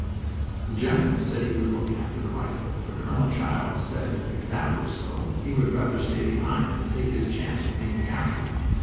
The general said he would look after the rifle, but Colonel Childs said if that were so he would rather stay behind and take his chance of being captured.